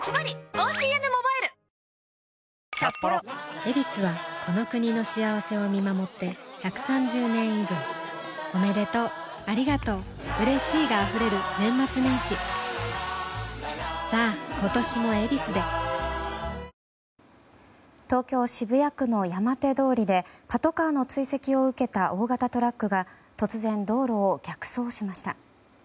「ヱビス」はこの国の幸せを見守って１３０年以上おめでとうありがとううれしいが溢れる年末年始さあ今年も「ヱビス」で東京・渋谷区の山手通りでパトカーの追跡を受けた大型トラックが突然、道路を逆走しました。